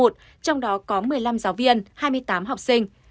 trong đó có một mươi năm giáo viên hai mươi tám học sinh